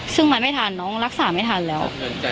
ซึ่งมันไม่ทันน้องรักษาไม่ทันแล้ว